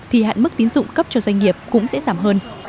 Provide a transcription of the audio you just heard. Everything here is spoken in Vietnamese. thì hạn mức tín dụng cấp cho doanh nghiệp cũng sẽ giảm hơn